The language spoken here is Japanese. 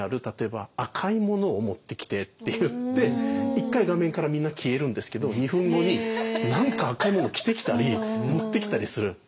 例えば赤いものを持ってきてって言って一回画面からみんな消えるんですけど２分後に何か赤いもの着てきたり持ってきたりする。